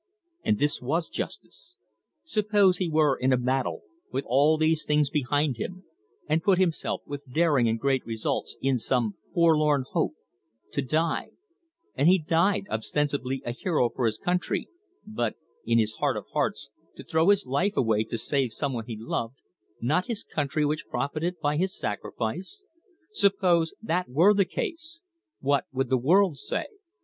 And this was justice. Suppose he were in a battle, with all these things behind him, and put himself, with daring and great results, in some forlorn hope to die; and he died, ostensibly a hero for his country, but, in his heart of hearts, to throw his life away to save some one he loved, not his country, which profited by his sacrifice suppose that were the case, what would the world say?